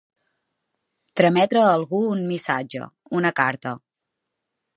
Trametre a algú un missatge, una carta.